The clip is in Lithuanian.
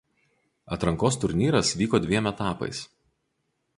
Atrankos turnyras vyko dviem etapais.